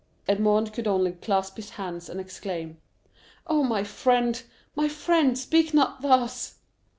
Edmond could only clasp his hands and exclaim, "Oh, my friend, my friend, speak not thus!"